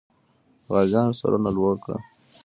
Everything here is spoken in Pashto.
د غازیانو سرونه لوړ کړه.